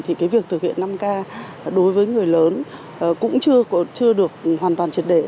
thì việc thực hiện năm ca đối với người lớn cũng chưa được hoàn toàn triệt đệ